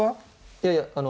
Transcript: いやいやあの。